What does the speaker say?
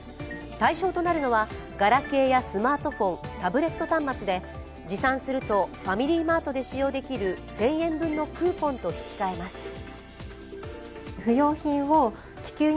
対象となるのはガラケーやスマートフォン、タブレット端末で持参するとファミリーマートで使用できる１０００円分のクーポンと引き換えます。